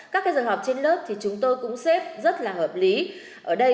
các cái giờ họp trên lớp thì chúng tôi cũng xếp rất là hợp lý ở đây